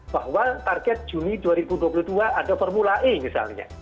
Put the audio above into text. bahwa target juni dua ribu dua puluh dua ada formula e misalnya